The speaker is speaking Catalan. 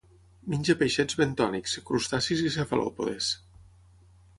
Menja peixets bentònics, crustacis i cefalòpodes.